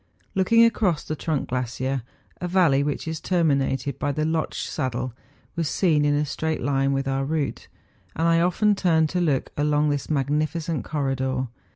Looking across the trunk glacier, a valley which is terminated by the Lotsch saddle, was seen in a straight line with our route; and I often turned to look along this magnificent corridor.